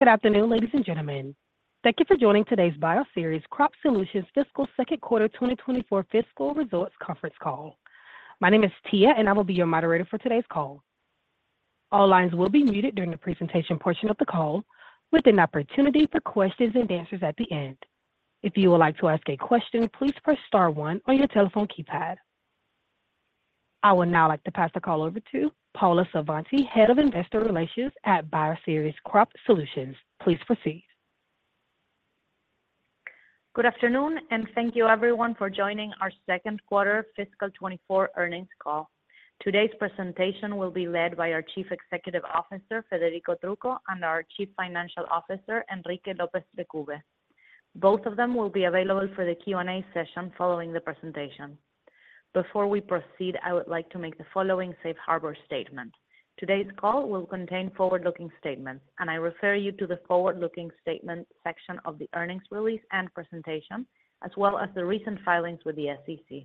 Good afternoon, ladies and gentlemen. Thank you for joining today's Bioceres Crop Solutions Fiscal Q2 2024 Fiscal Results Conference Call. My name is Tia, and I will be your moderator for today's call. All lines will be muted during the presentation portion of the call, with an opportunity for questions and answers at the end. If you would like to ask a question, please press star one on your telephone keypad. I would now like to pass the call over to Paula Savanti, Head of Investor Relations at Bioceres Crop Solutions. Please proceed. Good afternoon, and thank you everyone for joining our Q2 fiscal 2024 earnings call. Today's presentation will be led by our Chief Executive Officer, Federico Trucco, and our Chief Financial Officer, Enrique López Lecube. Both of them will be available for the Q&A session following the presentation. Before we proceed, I would like to make the following safe harbor statement: Today's call will contain forward-looking statements, and I refer you to the forward-looking statement section of the earnings release and presentation, as well as the recent filings with the SEC.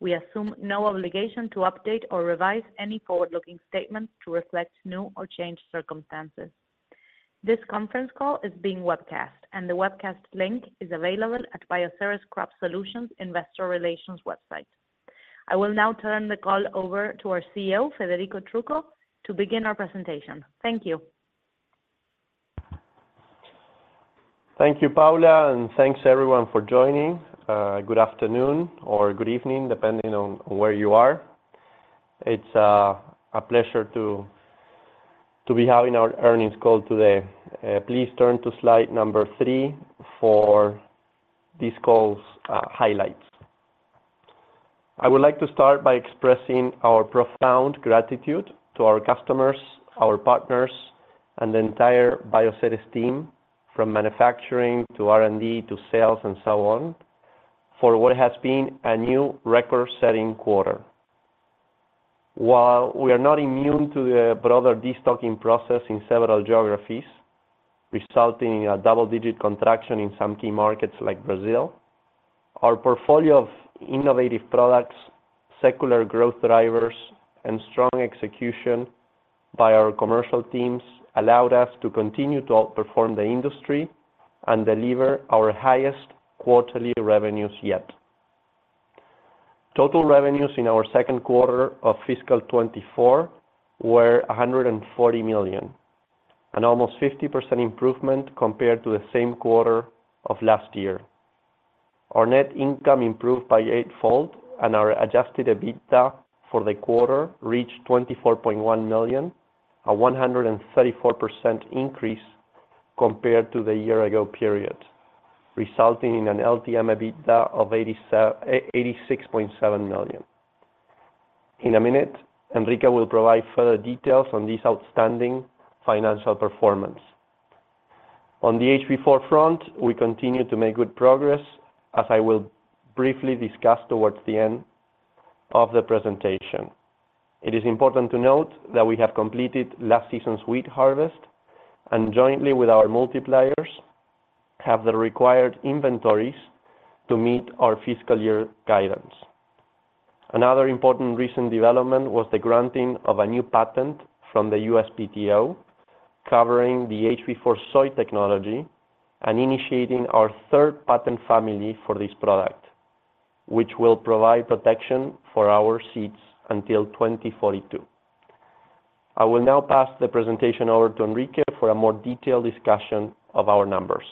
We assume no obligation to update or revise any forward-looking statements to reflect new or changed circumstances. This conference call is being webcast, and the webcast link is available at Bioceres Crop Solutions investor relations website. I will now turn the call over to our CEO, Federico Trucco, to begin our presentation. Thank you. Thank you, Paula, and thanks everyone for joining. Good afternoon or good evening, depending on where you are. It's a pleasure to be having our earnings call today. Please turn to slide number three for this call's highlights. I would like to start by expressing our profound gratitude to our customers, our partners, and the entire Bioceres team, from manufacturing to R&D to sales and so on, for what has been a new record-setting quarter. While we are not immune to the broader destocking process in several geographies, resulting in a double-digit contraction in some key markets like Brazil, our portfolio of innovative products, secular growth drivers, and strong execution by our commercial teams allowed us to continue to outperform the industry and deliver our highest quarterly revenues yet. Total revenues in our Q2 of fiscal 2024 were $140 million, an almost 50% improvement compared to the same quarter of last year. Our net income improved by eightfold, and our adjusted EBITDA for the quarter reached $24.1 million, a 134% increase compared to the year ago period, resulting in an LTM EBITDA of $86.7 million. In a minute, Enrique will provide further details on this outstanding financial performance. On the HB4 front, we continue to make good progress, as I will briefly discuss towards the end of the presentation. It is important to note that we have completed last season's wheat harvest, and jointly with our multipliers, have the required inventories to meet our fiscal year guidance. Another important recent development was the granting of a new patent from the U.S PTO, covering the HB4 soy technology and initiating our third patent family for this product, which will provide protection for our seeds until 2042. I will now pass the presentation over to Enrique for a more detailed discussion of our numbers.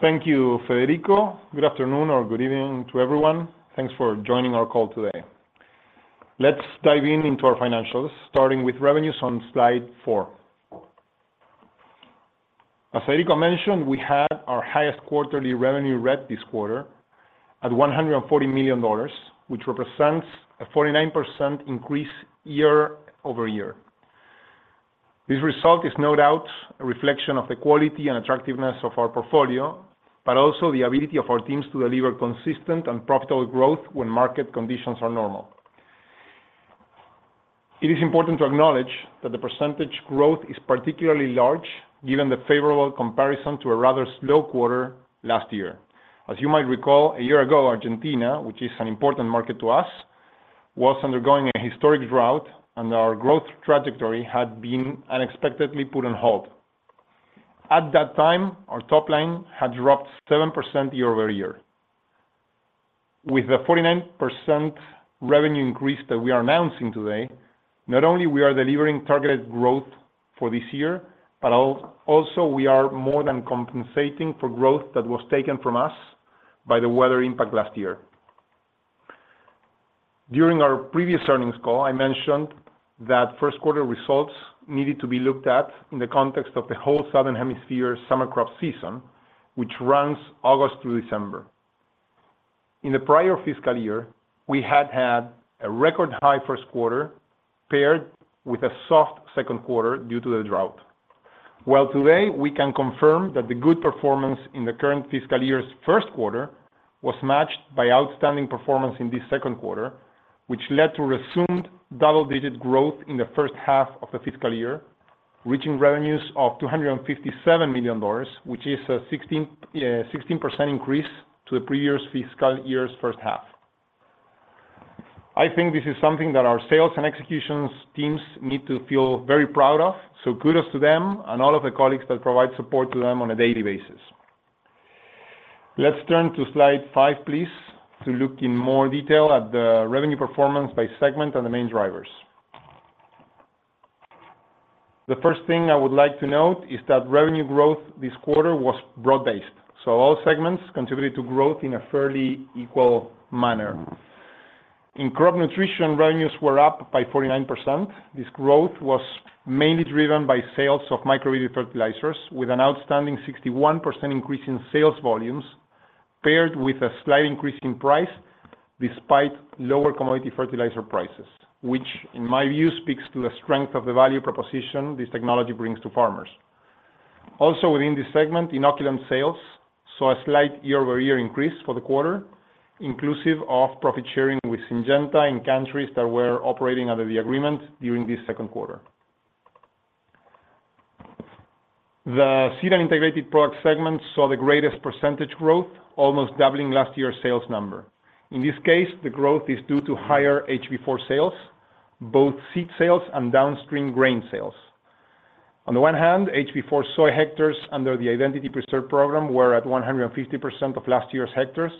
Thank you, Federico. Good afternoon or good evening to everyone. Thanks for joining our call today. Let's dive into our financials, starting with revenues on slide four. As Federico mentioned, we had our highest quarterly revenue ever this quarter at $140 million, which represents a 49% increase year-over-year. This result is no doubt a reflection of the quality and attractiveness of our portfolio, but also the ability of our teams to deliver consistent and profitable growth when market conditions are normal. It is important to acknowledge that the percentage growth is particularly large, given the favorable comparison to a rather slow quarter last year. As you might recall, a year ago, Argentina, which is an important market to us, was undergoing a historic drought, and our growth trajectory had been unexpectedly put on hold. At that time, our top line had dropped 7% year-over-year. With the 49% revenue increase that we are announcing today, not only we are delivering targeted growth for this year, but also, we are more than compensating for growth that was taken from us by the weather impact last year. During our previous earnings call, I mentioned that first quarter results needed to be looked at in the context of the whole Southern Hemisphere summer crop season, which runs August through December. In the prior fiscal year, we had had a record-high first quarter paired with a soft second quarter due to the drought. Well, today, we can confirm that the good performance in the current fiscal year's first quarter was matched by outstanding performance in this Q2, which led to resumed double-digit growth in the H1 of the fiscal year, reaching revenues of $257 million, which is a 16% increase to the previous fiscal year's first half. I think this is something that our sales and executions teams need to feel very proud of, so kudos to them and all of the colleagues that provide support to them on a daily basis. Let's turn to slide five, please, to look in more detail at the revenue performance by segment and the main drivers. The first thing I would like to note is that revenue growth this quarter was broad-based, so all segments contributed to growth in a fairly equal manner. In Crop Nutrition, revenues were up by 49%. This growth was mainly driven by sales of microbial fertilizers, with an outstanding 61% increase in sales volumes, paired with a slight increase in price despite lower commodity fertilizer prices, which in my view, speaks to the strength of the value proposition this technology brings to farmers. Also, within this segment, inoculant sales saw a slight year-over-year increase for the quarter, inclusive of profit sharing with Syngenta in countries that were operating under the agreement during this second quarter. The Seed and Integrated Product segment saw the greatest percentage growth, almost doubling last year's sales number. In this case, the growth is due to higher HB4 sales, both seed sales and downstream grain sales. On the one hand, HB4 soy hectares under the identity preserve program were at 150% of last year's hectares,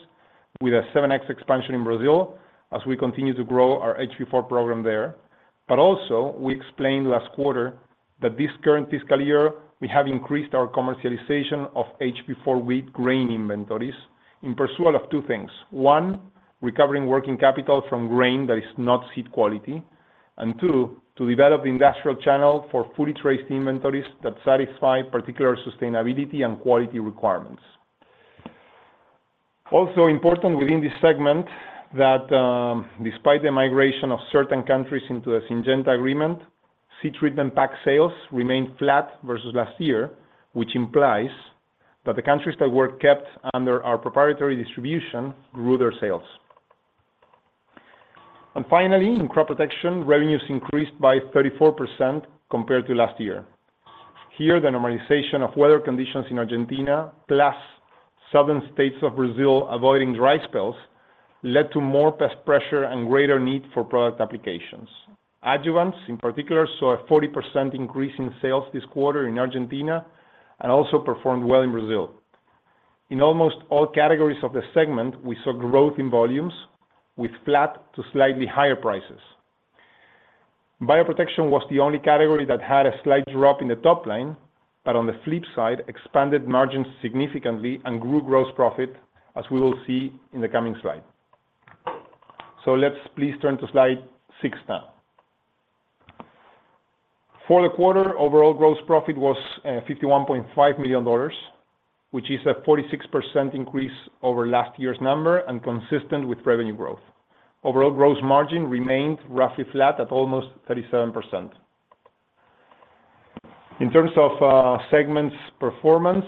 with a 7x expansion in Brazil as we continue to grow our HB4 program there. But also, we explained last quarter that this current fiscal year, we have increased our commercialization of HB4 wheat grain inventories in pursuit of two things. One, recovering working capital from grain that is not seed quality, and two, to develop the industrial channel for fully traced inventories that satisfy particular sustainability and quality requirements. Also important within this segment, that, despite the migration of certain countries into a Syngenta agreement, seed treatment pack sales remained flat versus last year, which implies that the countries that were kept under our proprietary distribution grew their sales. And finally, in Crop Protection, revenues increased by 34% compared to last year. Here, the normalization of weather conditions in Argentina, plus southern states of Brazil avoiding dry spells, led to more pest pressure and greater need for product applications. Adjuvants, in particular, saw a 40% increase in sales this quarter in Argentina and also performed well in Brazil. In almost all categories of the segment, we saw growth in volumes, with flat to slightly higher prices. Bioprotection was the only category that had a slight drop in the top line, but on the flip side, expanded margins significantly and grew gross profit, as we will see in the coming slide. So let's please turn to slide six now. For the quarter, overall gross profit was $51.5 million, which is a 46% increase over last year's number and consistent with revenue growth. Overall gross margin remained roughly flat at almost 37%. In terms of segments performance,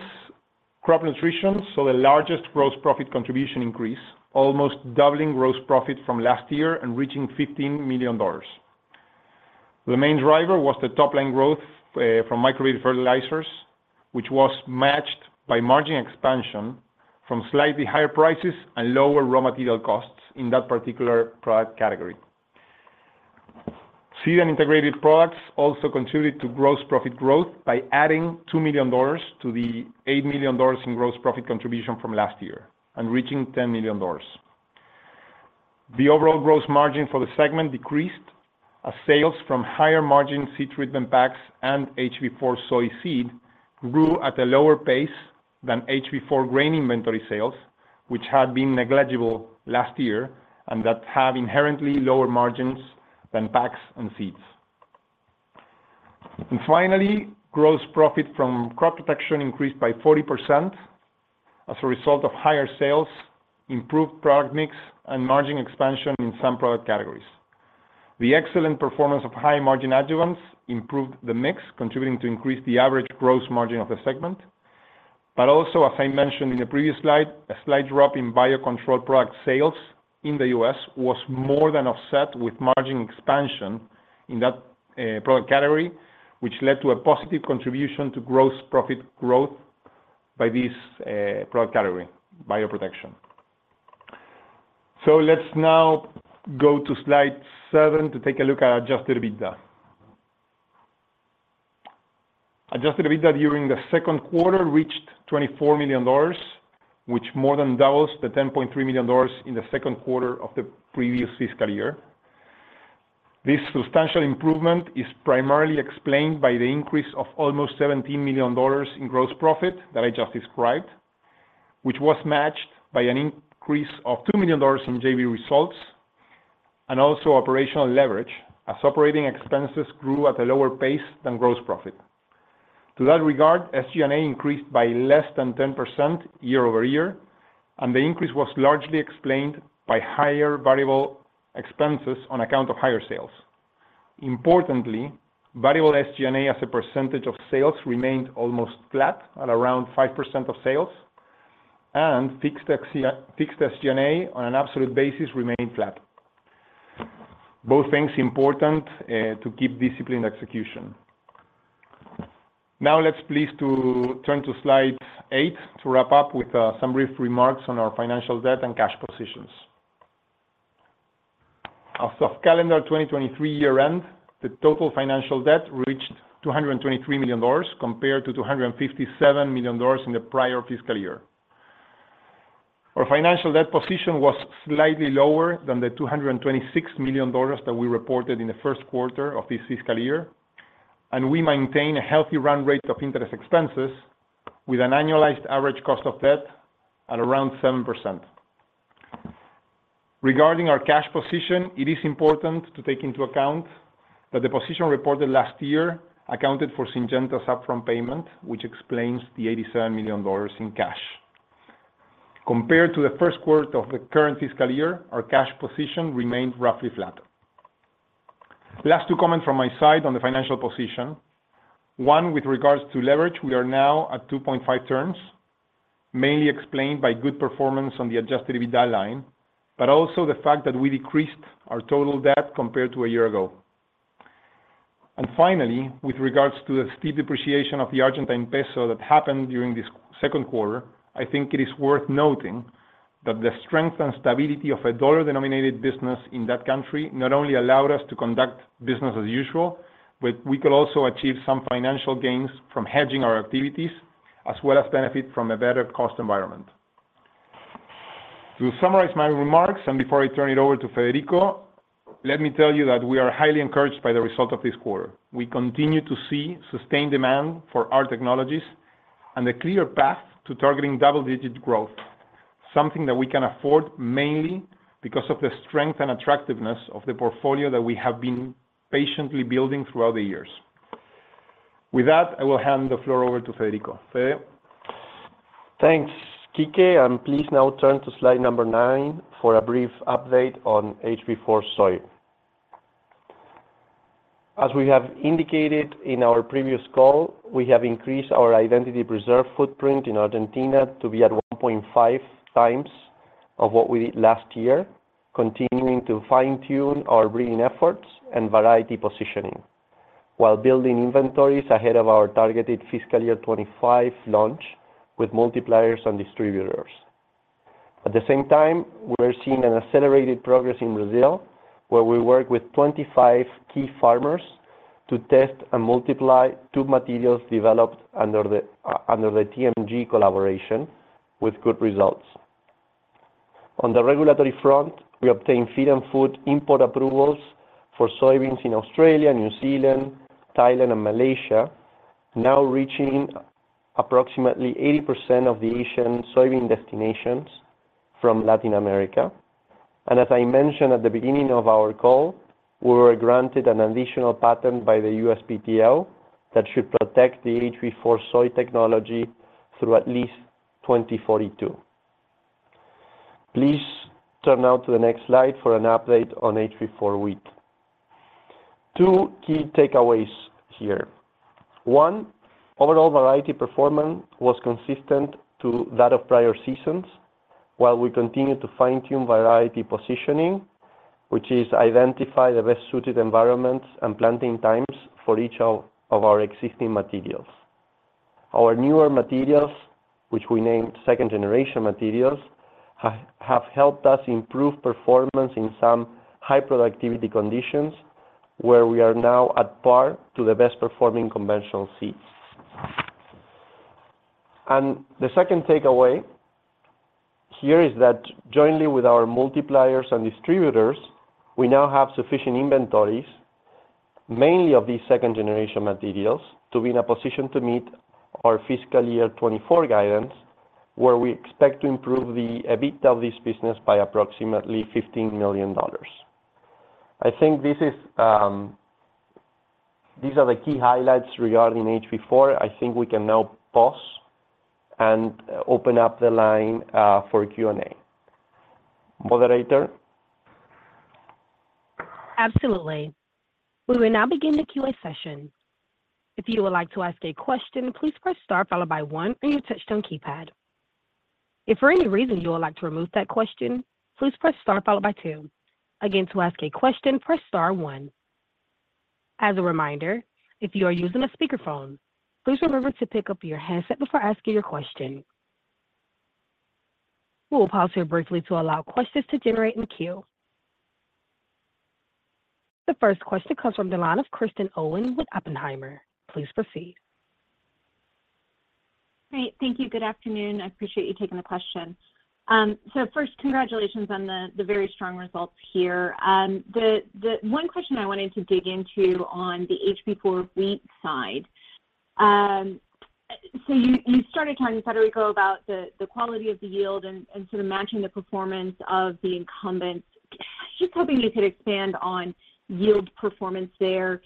Crop Nutrition saw the largest gross profit contribution increase, almost doubling gross profit from last year and reaching $15 million. The main driver was the top-line growth from microbial fertilizers, which was matched by margin expansion from slightly higher prices and lower raw material costs in that particular product category. Seed and Integrated Products also contributed to gross profit growth by adding $2 million to the $8 million in gross profit contribution from last year and reaching $10 million. The overall gross margin for the segment decreased as sales from higher-margin seed treatment packs and HB4 soy seed grew at a lower pace than HB4 grain inventory sales, which had been negligible last year and that have inherently lower margins than packs and seeds. Finally, gross profit from Crop Protection increased by 40% as a result of higher sales, improved product mix, and margin expansion in some product categories. The excellent performance of high-margin adjuvants improved the mix, contributing to increase the average gross margin of the segment. But also, as I mentioned in the previous slide, a slight drop in biocontrol product sales in the U.S. was more than offset with margin expansion in that product category, which led to a positive contribution to gross profit growth by this product category, Bioprotection. So let's now go to slide seven to take a look at Adjusted EBITDA. Adjusted EBITDA during the Q2 reached $24 million, which more than doubles the $10.3 million in the second quarter of the previous fiscal year. This substantial improvement is primarily explained by the increase of almost $17 million in gross profit that I just described, which was matched by an increase of $2 million in JV results, and also operational leverage, as operating expenses grew at a lower pace than gross profit. To that regard, SG&A increased by less than 10% year-over-year, and the increase was largely explained by higher variable expenses on account of higher sales. Importantly, variable SG&A as a percentage of sales remained almost flat at Marrone 5% of sales, and fixed SG&A on an absolute basis remained flat. Both things important to keep disciplined execution. Now let's please to turn to slide eight, to wrap up with some brief remarks on our financial debt and cash positions. As of calendar 2023 year-end, the total financial debt reached $223 million, compared to $257 million in the prior fiscal year. Our financial debt position was slightly lower than the $226 million that we reported in the first quarter of this fiscal year, and we maintain a healthy run rate of interest expenses with an annualized average cost of debt at Marrone 7%. Regarding our cash position, it is important to take into account that the position reported last year accounted for Syngenta's upfront payment, which explains the $87 million in cash. Compared to the Q1 of the current fiscal year, our cash position remained roughly flat. Last two comments from my side on the financial position: One, with regards to leverage, we are now at 2.5 times, mainly explained by good performance on the Adjusted EBITDA line, but also the fact that we decreased our total debt compared to a year ago. And finally, with regards to the steep depreciation of the Argentine peso that happened during this Q2, I think it is worth noting that the strength and stability of a dollar-denominated business in that country not only allowed us to conduct business as usual, but we could also achieve some financial gains from hedging our activities, as well as benefit from a better cost environment. To summarize my remarks, and before I turn it over to Federico, let me tell you that we are highly encouraged by the result of this quarter. We continue to see sustained demand for our technologies and a clear path to targeting double-digit growth, something that we can afford mainly because of the strength and attractiveness of the portfolio that we have been patiently building throughout the years. With that, I will hand the floor over to Federico. Fede? Thanks, Quique, and please now turn to slide number nine for a brief update on HB4 soy. As we have indicated in our previous call, we have increased our identity preserve footprint in Argentina to be at 1.5 times of what we did last year, continuing to fine-tune our breeding efforts and variety positioning, while building inventories ahead of our targeted fiscal year 2025 launch with multipliers and distributors. At the same time, we're seeing an accelerated progress in Brazil, where we work with 25 key farmers to test and multiply tube materials developed under the TMG collaboration with good results. On the regulatory front, we obtained feed and food import approvals for soybeans in Australia, New Zealand, Thailand, and Malaysia, now reaching approximately 80% of the Asian soybean destinations from Latin America. As I mentioned at the beginning of our call, we were granted an additional patent by the USPTO that should protect the HB4 Soy technology through at least 2042. Please turn now to the next slide for an update on HB4 Wheat. Two key takeaways here. One, overall variety performance was consistent to that of prior seasons, while we continued to fine-tune variety positioning, which is identify the best-suited environments and planting times for each of our existing materials. Our newer materials, which we named second-generation materials, have helped us improve performance in some high productivity conditions, where we are now at par to the best-performing conventional seeds. The second takeaway here is that jointly with our multipliers and distributors, we now have sufficient inventories, mainly of these second-generation materials, to be in a position to meet our fiscal year 2024 guidance, where we expect to improve the EBIT of this business by approximately $15 million. I think this is. These are the key highlights regarding HB4. I think we can now pause and open up the line, for Q&A. Moderator? Absolutely. We will now begin the Q&A session. If you would like to ask a question, please press star followed by one on your touchtone keypad. If for any reason you would like to remove that question, please press star followed by two. Again, to ask a question, press star one. As a reminder, if you are using a speakerphone, please remember to pick up your handset before asking your question. We will pause here briefly to allow questions to generate in queue. The first question comes from the line of Kristen Owen with Oppenheimer. Please proceed. Great. Thank you. Good afternoon. I appreciate you taking the question. So first, congratulations on the very strong results here. The one question I wanted to dig into on the HB4 Wheat side, so you started talking, Federico, about the quality of the yield and sort of matching the performance of the incumbents. Just hoping you could expand on yield performance there.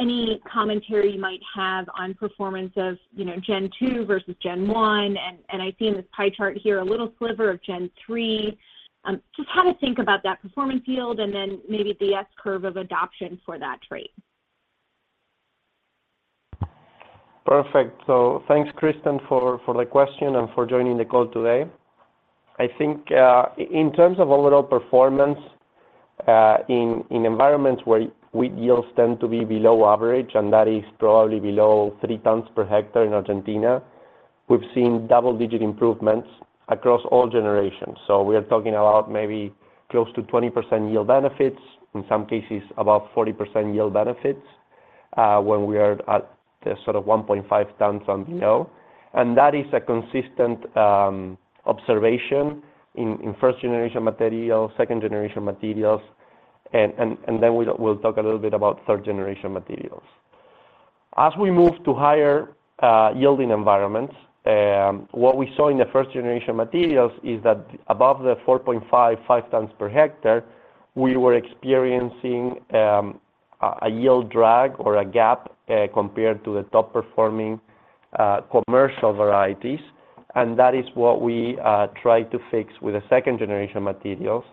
Any commentary you might have on performance of, you know, gen two versus gen one, and I see in this pie chart here a little sliver of gen three. Just how to think about that performance yield and then maybe the S curve of adoption for that trait. Perfect. So thanks, Kristen, for the question and for joining the call today. I think, in terms of overall performance, in environments where wheat yields tend to be below average, and that is probably below 3 tons per hectare in Argentina, we've seen double-digit improvements across all generations. So we are talking about maybe close to 20% yield benefits, in some cases, about 40% yield benefits, when we are at the sort of 1.5 tons on yield. And that is a consistent observation in first-generation material, second-generation materials, and then we'll talk a little bit about third-generation materials. As we move to higher yielding environments, what we saw in the first-generation materials is that above the 4.5-5 tons per hectare, we were experiencing a yield drag or a gap compared to the top-performing commercial varieties, and that is what we tried to fix with the second-generation materials,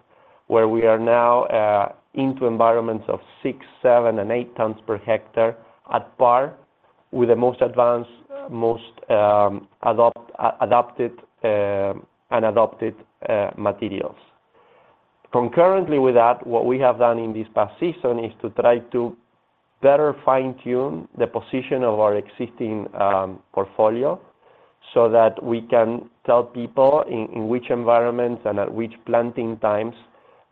where we are now into environments of 6, 7, and 8 tons per hectare at par with the most advanced, most adopted materials. Concurrently with that, what we have done in this past season is to try to better fine-tune the position of our existing portfolio, so that we can tell people in which environments and at which planting times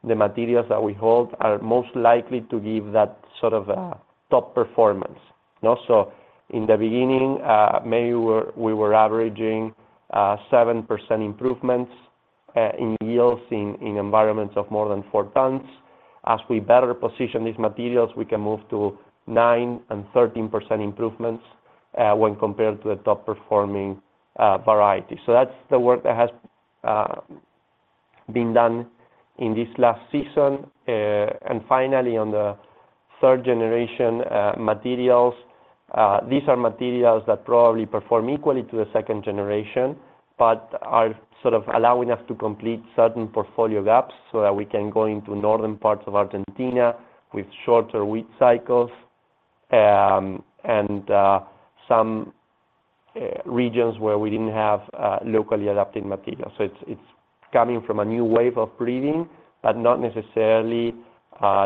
the materials that we hold are most likely to give that sort of top performance. And also, in the beginning, maybe we were averaging 7% improvements in yields in environments of more than 4 tons. As we better position these materials, we can move to 9% and 13% improvements when compared to the top-performing variety. So that's the work that has been done in this last season. And finally, on the third-generation materials, these are materials that probably perform equally to the second generation, but are sort of allowing us to complete certain portfolio gaps so that we can go into northern parts of Argentina with shorter wheat cycles, and some regions where we didn't have locally adapted materials. So it's coming from a new wave of breeding, but not necessarily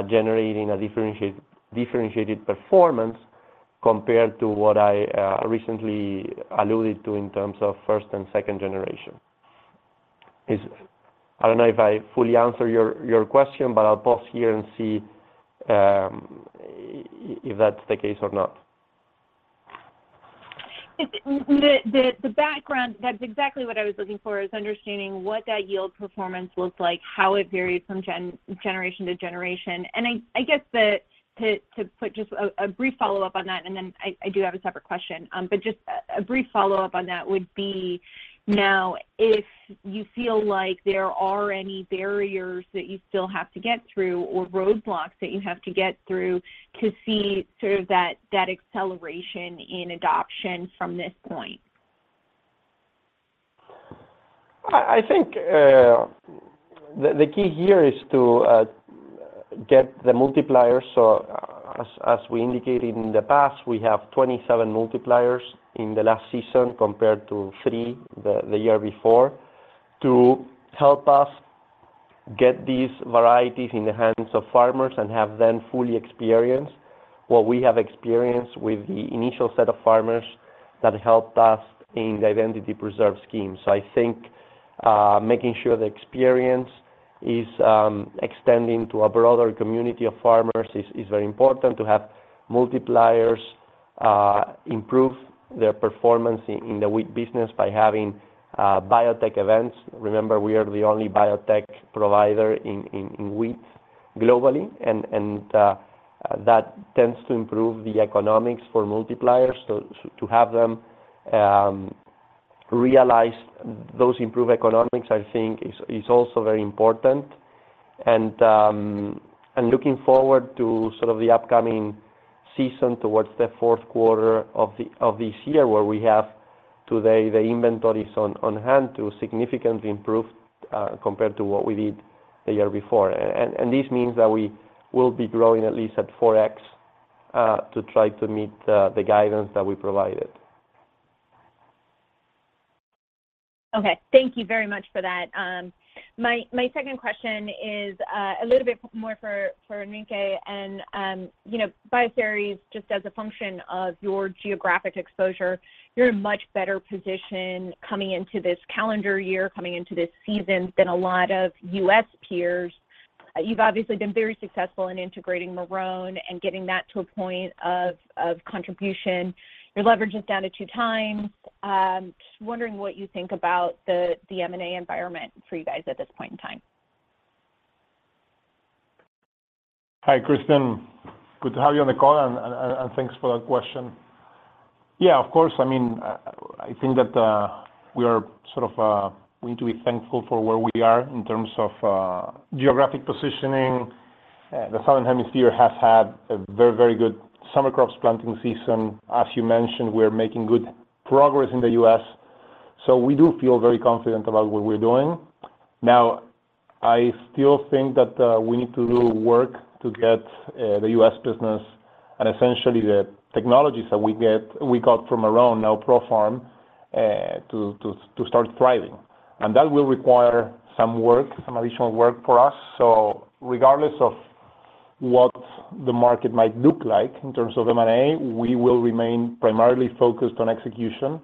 generating a differentiated performance compared to what I recently alluded to in terms of first and second generation. I don't know if I fully answered your question, but I'll pause here and see if that's the case or not. The background, that's exactly what I was looking for, is understanding what that yield performance looks like, how it varies from generation to generation. And I guess that, to put just a brief follow-up on that, and then I do have a separate question. But just a brief follow-up on that would be, now, if you feel like there are any barriers that you still have to get through or roadblocks that you have to get through to see sort of that acceleration in adoption from this point? I think the key here is to get the multipliers. So as we indicated in the past, we have 27 multipliers in the last season, compared to three the year before, to help us get these varieties in the hands of farmers and have them fully experience what we have experienced with the initial set of farmers that helped us in the identity preserve scheme. So I think making sure the experience is extending to a broader community of farmers is very important. To have multipliers improve their performance in the wheat business by having biotech events. Remember, we are the only biotech provider in wheat globally, and that tends to improve the economics for multipliers. So to have them realize those improved economics, I think is also very important. And, and looking forward to sort of the upcoming season, towards the fourth quarter of the, of this year, where we have today the inventories on, on hand to significantly improve, compared to what we did the year before. And, and this means that we will be growing at least at 4x, to try to meet, the guidance that we provided. Okay. Thank you very much for that. My, my second question is, a little bit more for, for Enrique. And, you know, Bioceres, just as a function of your geographic exposure, you're in much better position coming into this calendar year, coming into this season, than a lot of U.S. peers. You've obviously been very successful in integrating Marrone and getting that to a point of, of contribution. Your leverage is down to two times. Just wondering what you think about the, the M&A environment for you guys at this point in time. Hi, Kristen. Good to have you on the call, and thanks for that question. Yeah, of course. I mean, I think that we are sort of, we need to be thankful for where we are in terms of geographic positioning. The Southern Hemisphere has had a very, very good summer crops planting season. As you mentioned, we're making good progress in the U.S., so we do feel very confident about what we're doing. Now-... I still think that, we need to do work to get, the US business and essentially the technologies that we get, we got from around now ProFarm, to, to, to start thriving. That will require some work, some additional work for us. Regardless of what the market might look like in terms of M&A, we will remain primarily focused on execution.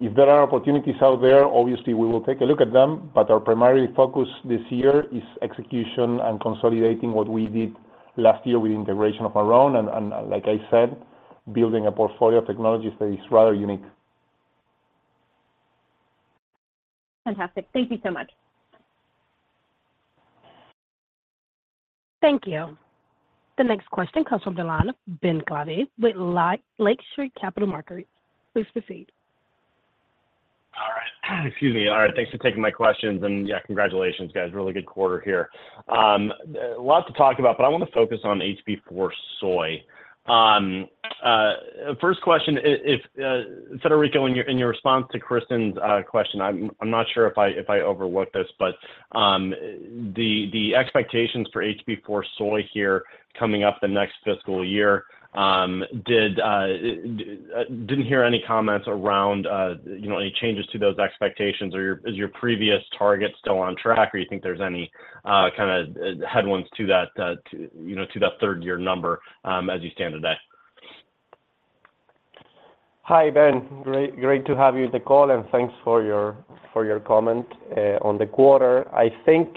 If there are opportunities out there, obviously we will take a look at them, but our primary focus this year is execution and consolidating what we did last year with integration of Marrone, and, and like I said, building a portfolio of technologies that is rather unique. Fantastic. Thank you so much. Thank you. The next question comes from the line of Ben Klieve with Lake Street Capital Markets. Please proceed. All right. Excuse me. All right, thanks for taking my questions. And, yeah, congratulations, guys. Really good quarter here. A lot to talk about, but I want to focus on HB4 soy. First question, if Federico, in your, in your response to Kristen's question, I'm, I'm not sure if I, if I overlooked this, but the expectations for HB4 soy here coming up the next fiscal year, didn't hear any comments around, you know, any changes to those expectations or your... Is your previous target still on track, or you think there's any kind of headwinds to that, to you know, to that third-year number, as you stand today? Hi, Ben. Great, great to have you on the call, and thanks for your, for your comment on the quarter. I think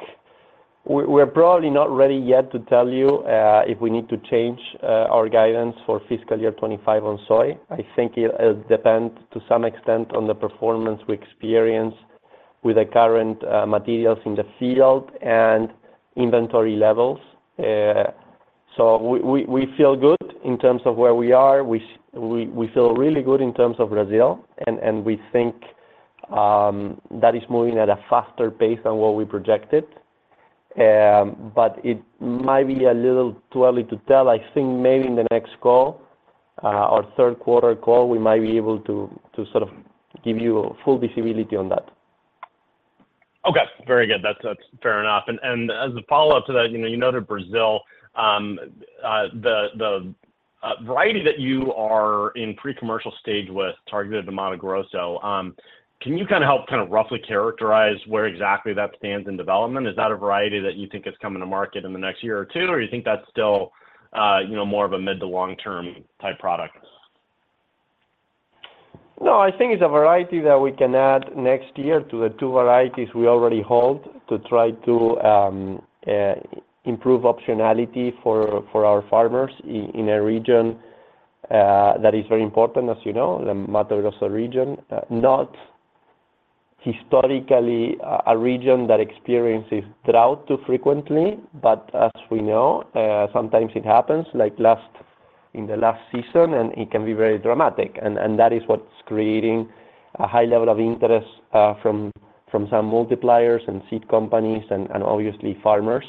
we, we're probably not ready yet to tell you if we need to change our guidance for fiscal year 2025 on soy. I think it depend to some extent on the performance we experience with the current materials in the field and inventory levels. So we, we, we feel good in terms of where we are. We, we feel really good in terms of Brazil, and, and we think that is moving at a faster pace than what we projected. But it might be a little too early to tell. I think maybe in the next call, our Q3 call, we might be able to, to sort of give you full visibility on that. Okay, very good. That's fair enough. And as a follow-up to that, you know, you noted Brazil. The variety that you are in pre-commercial stage with, targeted to Mato Grosso, can you kind of help kind of roughly characterize where exactly that stands in development? Is that a variety that you think is coming to market in the next year or two, or you think that's still, you know, more of a mid to long-term type product? No, I think it's a variety that we can add next year to the two varieties we already hold, to try to improve optionality for our farmers in a region that is very important, as you know, the Mato Grosso region. Not historically a region that experiences drought too frequently, but as we know, sometimes it happens, like in the last season, and it can be very dramatic. And that is what's creating a high level of interest from some multipliers and seed companies and obviously farmers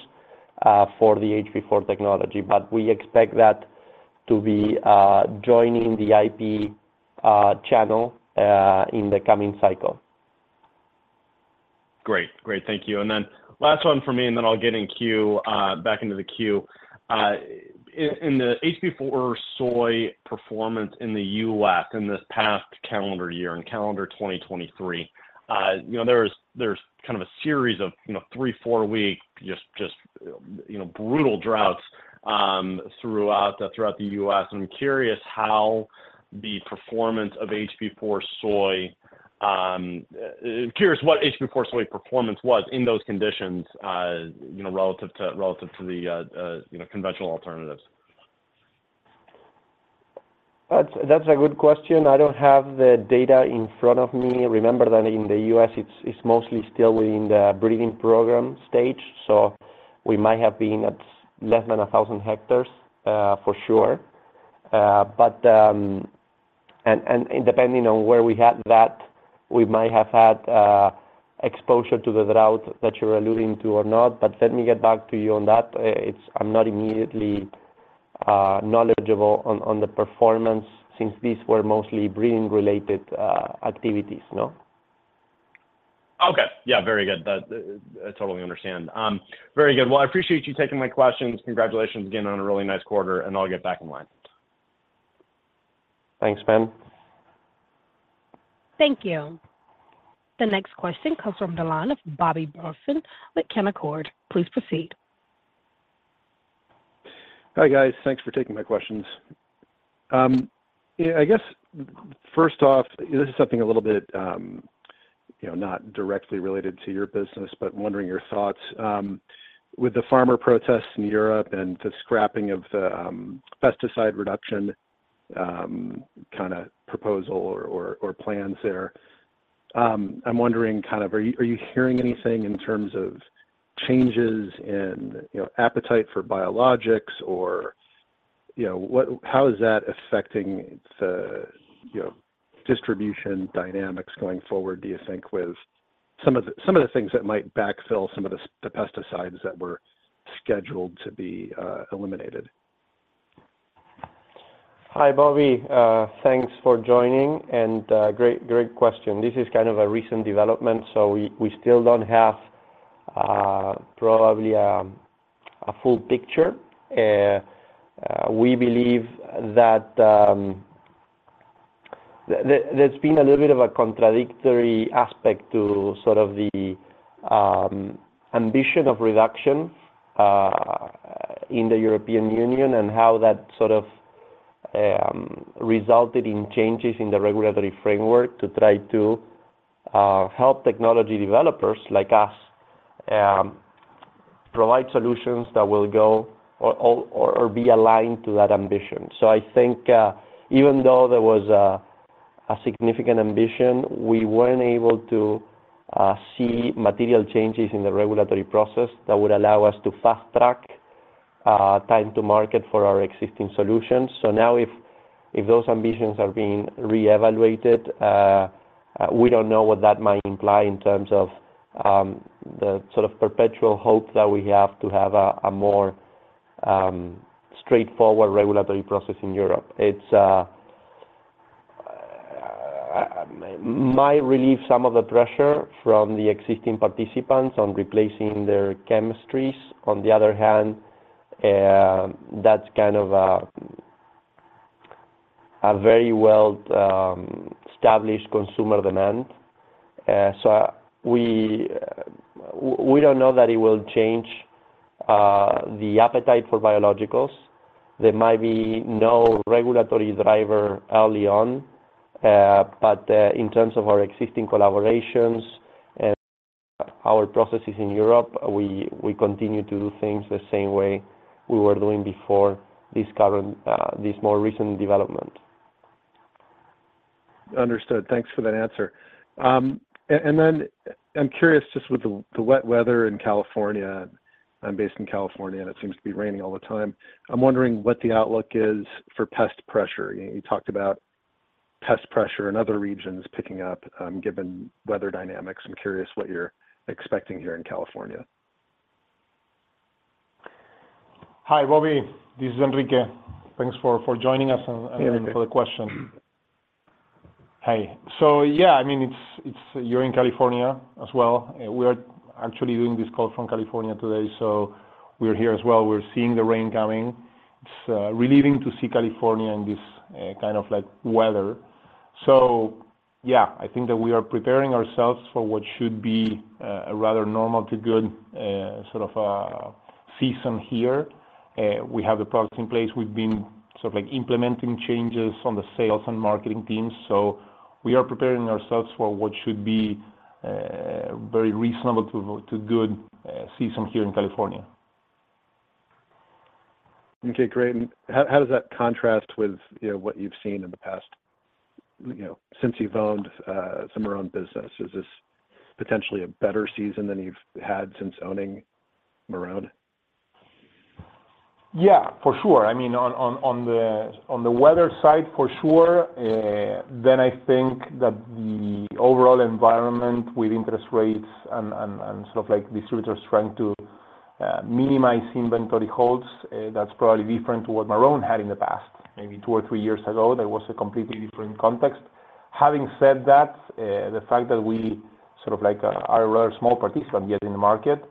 for the HB4 technology. But we expect that to be joining the IP channel in the coming cycle. Great. Great, thank you. And then last one for me, and then I'll get back in the queue. In the HB4 soy performance in the U.S. in this past calendar year, in calendar 2023, you know, there's kind of a series of, you know, three to four week, just brutal droughts throughout the U.S. I'm curious how the performance of HB4 soy, curious what HB4 soy performance was in those conditions, you know, relative to the conventional alternatives. That's a good question. I don't have the data in front of me. Remember that in the U.S., it's mostly still in the breeding program stage, so we might have been at less than 1,000 hectares, for sure. Depending on where we had that, we might have had exposure to the drought that you're alluding to or not, but let me get back to you on that. I'm not immediately knowledgeable on the performance since these were mostly breeding-related activities, you know? Okay. Yeah, very good. That, I totally understand. Very good. Well, I appreciate you taking my questions. Congratulations again on a really nice quarter, and I'll get back in line. Thanks, Ben. Thank you. The next question comes from the line of Bobby Burleson with Canaccord. Please proceed. Hi, guys. Thanks for taking my questions. Yeah, I guess first off, this is something a little bit, you know, not directly related to your business, but wondering your thoughts. With the farmer protests in Europe and the scrapping of the pesticide reduction kind of proposal or plans there, I'm wondering kind of are you hearing anything in terms of changes in, you know, appetite for biologics or, you know, how is that affecting the, you know, distribution dynamics going forward? Do you think with some of the, some of the things that might backfill some of the pesticides that were scheduled to be eliminated? ... Hi, Bobby. Thanks for joining, and great, great question. This is kind of a recent development, so we still don't have probably a full picture. We believe that there's been a little bit of a contradictory aspect to sort of the ambition of reduction in the European Union and how that sort of resulted in changes in the regulatory framework to try to help technology developers like us provide solutions that will go or, or, or be aligned to that ambition. So I think even though there was a significant ambition, we weren't able to see material changes in the regulatory process that would allow us to fast-track time to market for our existing solutions. So now, if those ambitions are being re-evaluated, we don't know what that might imply in terms of the sort of perpetual hope that we have to have a more straightforward regulatory process in Europe. It might relieve some of the pressure from the existing participants on replacing their chemistries. On the other hand, that's kind of a very well established consumer demand. So we don't know that it will change the appetite for biologicals. There might be no regulatory driver early on, but in terms of our existing collaborations and our processes in Europe, we continue to do things the same way we were doing before this more recent development. Understood. Thanks for that answer. And then I'm curious, just with the wet weather in California. I'm based in California, and it seems to be raining all the time. I'm wondering what the outlook is for pest pressure. You talked about pest pressure in other regions picking up, given weather dynamics. I'm curious what you're expecting here in California. Hi, Bobby. This is Enrique. Thanks for joining us and for the question. Hi. Hey. So yeah, I mean, it's... You're in California as well. We are actually doing this call from California today, so we're here as well. We're seeing the rain coming. It's relieving to see California in this kind of like weather. So yeah, I think that we are preparing ourselves for what should be a rather normal to good sort of season here. We have the products in place. We've been sort of like implementing changes on the sales and marketing teams, so we are preparing ourselves for what should be very reasonable to good season here in California. Okay, great. And how, how does that contrast with, you know, what you've seen in the past, you know, since you've owned some of our own business? Is this potentially a better season than you've had since owning Marrone? Yeah, for sure. I mean, on the weather side, for sure. Then I think that the overall environment with interest rates and sort of like distributors trying to minimize inventory holds, that's probably different to what Marrone had in the past. Maybe two or three years ago, there was a completely different context. Having said that, the fact that we sort of like are a rather small participant yet in the market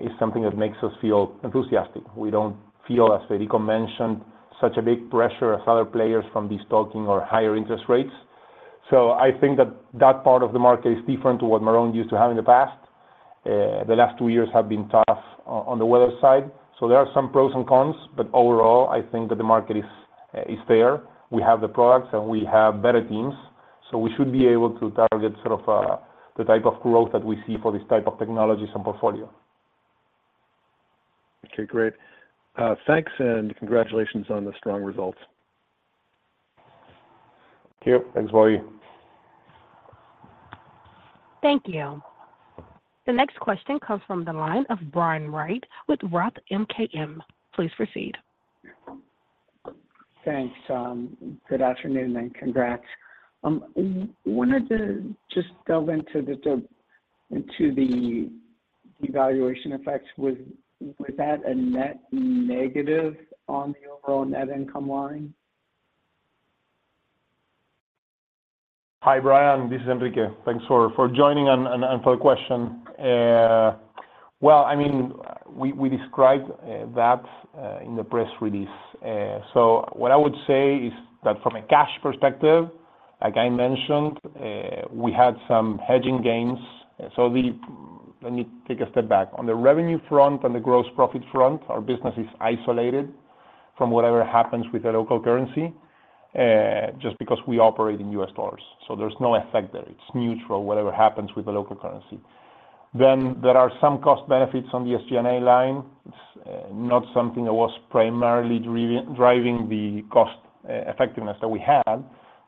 is something that makes us feel enthusiastic. We don't feel, as Federico mentioned, such a big pressure as other players from destocking or higher interest rates. So I think that that part of the market is different to what Marrone used to have in the past. The last two years have been tough on the weather side. So there are some pros and cons, but overall, I think that the market is fair. We have the products, and we have better teams, so we should be able to target sort of the type of growth that we see for these type of technologies and portfolio. Okay, great. Thanks, and congratulations on the strong results. Thank you. Thanks, Bobby. Thank you. The next question comes from the line of Brian Wright with Roth MKM. Please proceed. Thanks. Good afternoon and congrats. Wanted to just delve into the devaluation effects. Was that a net negative on the overall net income line? Hi, Brian. This is Enrique. Thanks for joining and for the question. Well, I mean, we described that in the press release. So what I would say is that from a cash perspective, like I mentioned, we had some hedging gains. So we - Let me take a step back. On the revenue front and the gross profit front, our business is isolated from whatever happens with the local currency, just because we operate in U.S. dollars, so there's no effect there. It's neutral, whatever happens with the local currency. Then there are some cost benefits on the SG&A line. It's not something that was primarily driving the cost effectiveness that we had,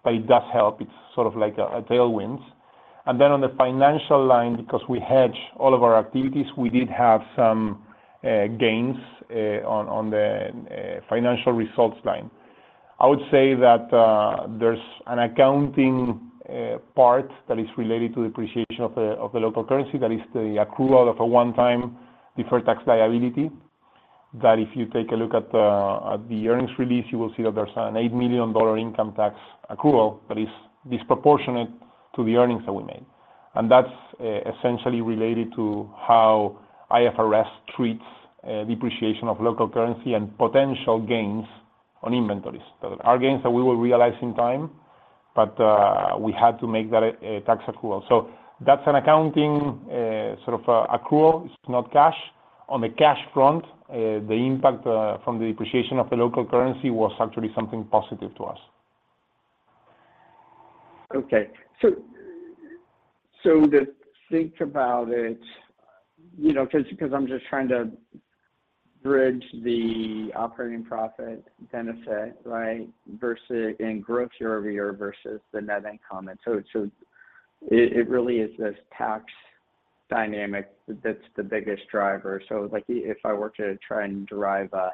but it does help. It's sort of like a tailwind. Then on the financial line, because we hedge all of our activities, we did have some gains on the financial results line. I would say that there's an accounting part that is related to the appreciation of the local currency, that is the accrual of a one-time deferred tax liability, that if you take a look at the earnings release, you will see that there's an $8 million income tax accrual that is disproportionate to the earnings that we made. That's essentially related to how IFRS treats depreciation of local currency and potential gains on inventories. Those are gains that we will realize in time, but we had to make that a tax accrual. So that's an accounting sort of accrual. It's not cash. On the cash front, the impact from the depreciation of the local currency was actually something positive to us. Okay. So, so to think about it, you know, 'cause, because I'm just trying to bridge the operating profit benefit, right? Versus in gross year-over-year versus the net income. So, so it, it really is this tax dynamic that's the biggest driver. So like, if I were to try and derive a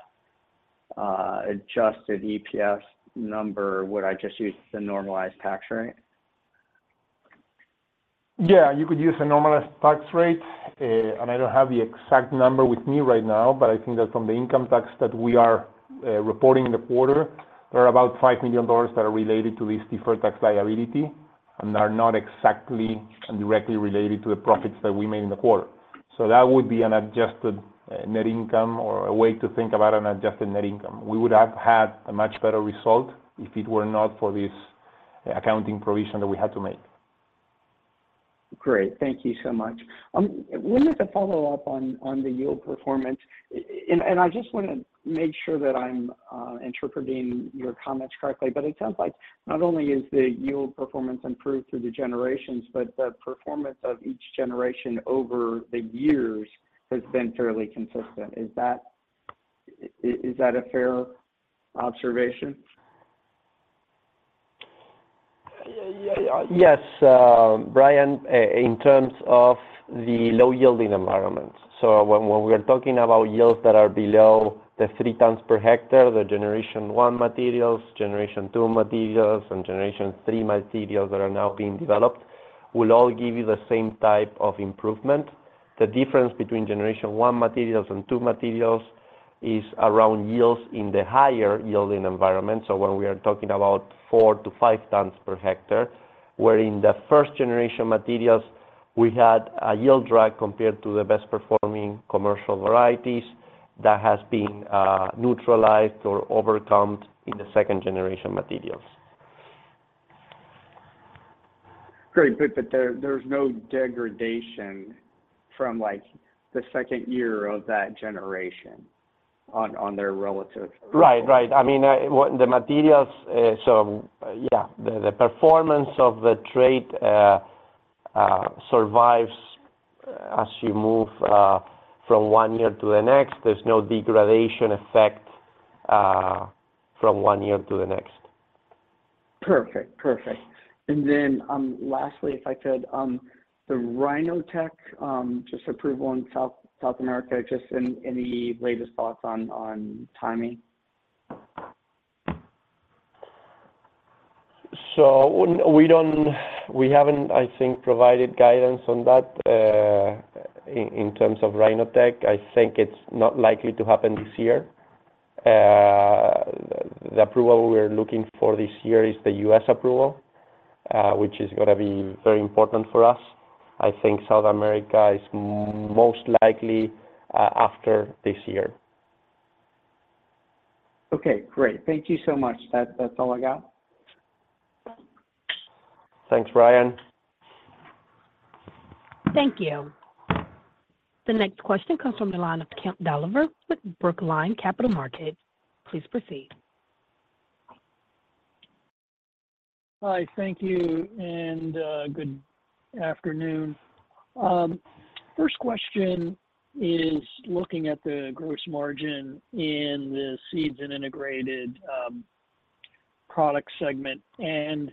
adjusted EPS number, would I just use the normalized tax rate? Yeah, you could use a normalized tax rate. And I don't have the exact number with me right now, but I think that from the income tax that we are reporting in the quarter, there are about $5 million that are related to this deferred tax liability, and are not exactly and directly related to the profits that we made in the quarter. So that would be an adjusted net income or a way to think about an adjusted net income. We would have had a much better result if it were not for this accounting provision that we had to make. Great. Thank you so much. Let me just follow up on the yield performance. And I just wanna make sure that I'm interpreting your comments correctly, but it sounds like not only is the yield performance improved through the generations, but the performance of each generation over the years has been fairly consistent. Is that a fair observation? Yeah. Yes, Brian, in terms of the low yielding environment. So when we are talking about yields that are below the 3 tons per hectare, the Generation one materials, Generation two materials, and Generation three materials that are now being developed, will all give you the same type of improvement. The difference between Generation one materials and two materials is around yields in the higher yielding environment. So when we are talking about 4-5 tons per hectare, where in the first generation materials, we had a yield drag compared to the best performing commercial varieties that has been neutralized or overcome in the second generation materials. Great. But there's no degradation from, like, the second year of that generation on their relative? Right. Right. I mean, well, the materials. So yeah, the performance of the trait survives, as you move from one year to the next. There's no degradation effect from one year to the next. Perfect. Perfect. And then, lastly, if I could, the Rizotec, just approval in South America, just any latest thoughts on timing? So we haven't, I think, provided guidance on that. In terms of Rizotec, I think it's not likely to happen this year. The approval we're looking for this year is the U.S. approval, which is gonna be very important for us. I think South America is most likely after this year. Okay, great. Thank you so much. That's all I got. Thanks, Brian. Thank you. The next question comes from the line of Kemp Dolliver with Brookline Capital Markets. Please proceed. Hi, thank you, and good afternoon. First question is looking at the gross margin in the seeds and integrated product segment. And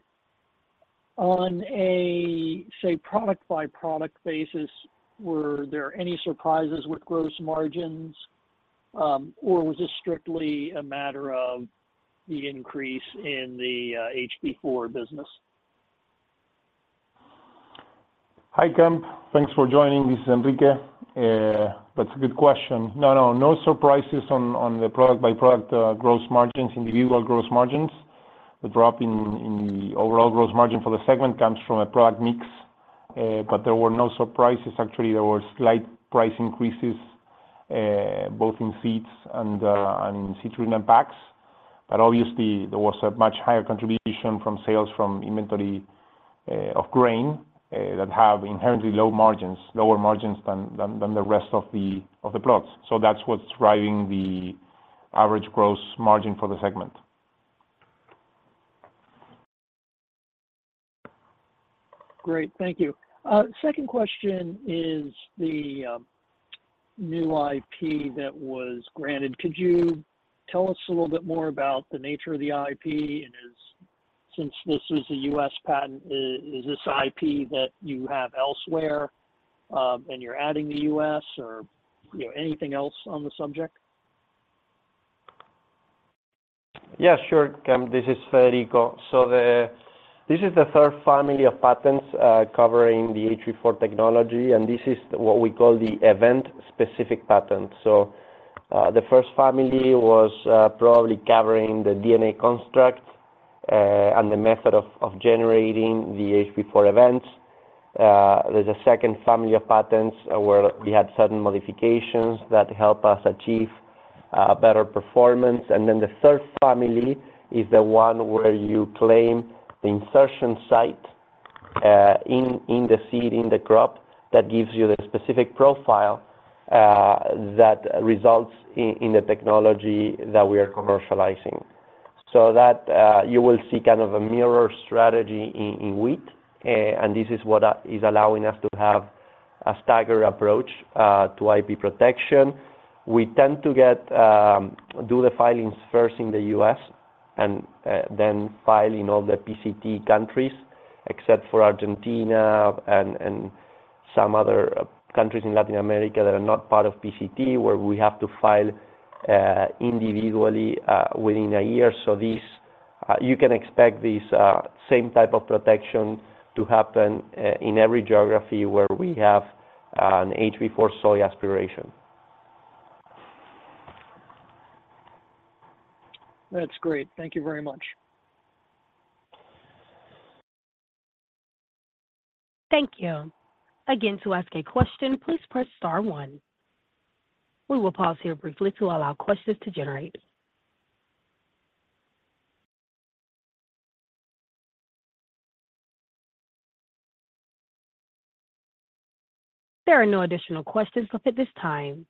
on a, say, product-by-product basis, were there any surprises with gross margins, or was this strictly a matter of the increase in the HB4 business? Hi, Kemp. Thanks for joining. This is Enrique. That's a good question. No, no, no surprises on, on the product-by-product, gross margins, individual gross margins. The drop in, in the overall gross margin for the segment comes from a product mix, but there were no surprises. Actually, there were slight price increases, both in seeds and, and seed treatment packs. But obviously, there was a much higher contribution from sales from inventory, of grain, that have inherently low margins - lower margins than, than, than the rest of the, of the products. So that's what's driving the average gross margin for the segment. Great, thank you. Second question is the new IP that was granted. Could you tell us a little bit more about the nature of the IP, and is, since this is a U.S. patent, is this IP that you have elsewhere, and you're adding the U.S., or, you know, anything else on the subject?... Yeah, sure, Kemp. This is Federico. So this is the third family of patents covering the HB4 technology, and this is what we call the event-specific patent. So the first family was probably covering the DNA construct and the method of generating the HB4 events. There's a second family of patents where we had certain modifications that help us achieve better performance. And then the third family is the one where you claim the insertion site in the seed, in the crop, that gives you the specific profile that results in the technology that we are commercializing. So that you will see kind of a mirror strategy in wheat, and this is what is allowing us to have a staggered approach to IP protection. We tend to do the filings first in the U.S., and then file in all the PCT countries, except for Argentina and some other countries in Latin America that are not part of PCT, where we have to file individually within a year. So you can expect these same type of protection to happen in every geography where we have an HB4 soy aspiration. That's great. Thank you very much. Thank you. Again, to ask a question, please press star one. We will pause here briefly to allow questions to generate. There are no additional questions up at this time.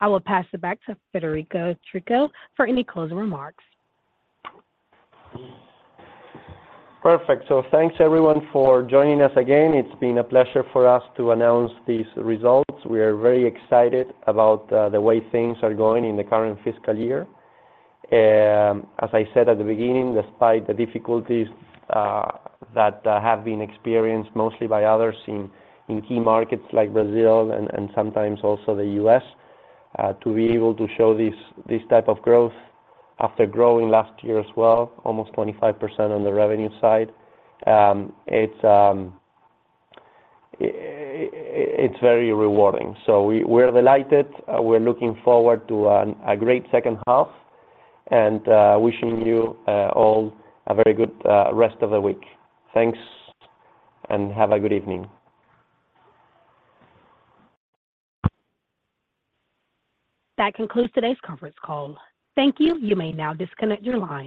I will pass it back to Federico Trucco for any closing remarks. Perfect. So thanks everyone for joining us again. It's been a pleasure for us to announce these results. We are very excited about the way things are going in the current fiscal year. As I said at the beginning, despite the difficulties that have been experienced, mostly by others in key markets like Brazil and sometimes also the U.S., to be able to show this type of growth after growing last year as well, almost 25% on the revenue side, it's very rewarding. So we're delighted. We're looking forward to a great second half, and wishing you all a very good rest of the week. Thanks, and have a good evening. That concludes today's conference call. Thank you. You may now disconnect your line.